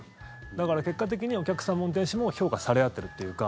だから、結果的にお客さんも運転手も評価され合ってるっていうか。